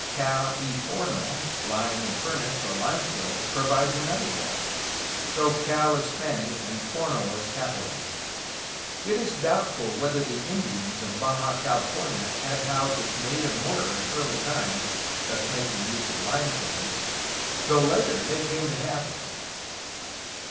^'Cal y forno" (hme and furnace, or Ume kiln) provides another guess, though ^^caF' is Spanish and "forno'' Catalan, but it is doubtful whether the Indians of Baja California had houses made of mortar in early times, thus making use of lime kilns, though later they came to have them.